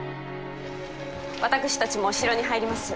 私たちも城に入ります。